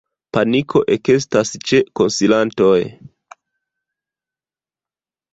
Paniko ekestas ĉe konsilantoj.